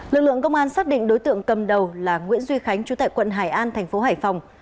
lực lượng công an xác định đối tượng cầm đầu là nguyễn duy khánh chú tại quận hải an thành phố hải phòng